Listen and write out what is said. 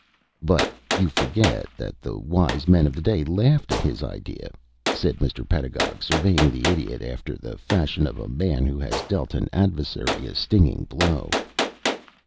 "But you forget that the wise men of the day laughed at his idea," said Mr. Pedagog, surveying the Idiot after the fashion of a man who has dealt an adversary a stinging blow.